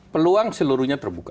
peluang seluruhnya terbuka